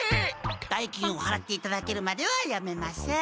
代金をはらっていただけるまではやめません。